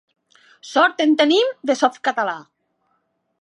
Sort en tenim dels de Softcatalà.